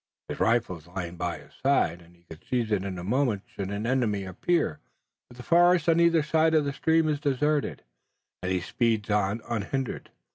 His rifle is lying by his side, and he could seize it in a moment should an enemy appear, but the forest on either side of the stream is deserted, and he speeds on unhindered.